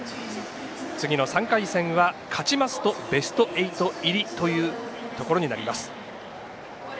次の３回戦は勝ちますとベスト８入りというところになります。